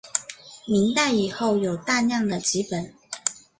明代以后有大量的辑本。